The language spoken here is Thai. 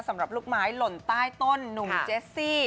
สำหรับลูกไม้หล่นใต้ต้นหนุ่มเจสซี่